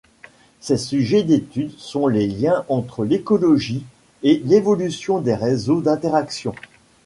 Ses sujets d'études sont les liens entre l'écologie et l'évolution des réseaux d'interaction.